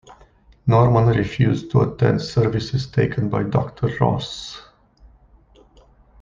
Norman refused to attend services taken by Doctor Ross.